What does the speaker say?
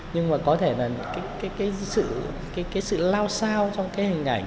nhưng mà có thể là cái sự lao sao trong cái hình ảnh